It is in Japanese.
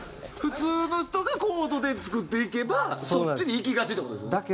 普通の人がコードで作っていけばそっちにいきがちって事ですよね。